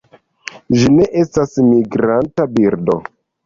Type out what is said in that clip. Ĝi ne estas migranta birdo.